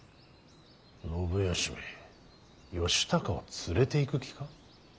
信義め義高を連れていく気か。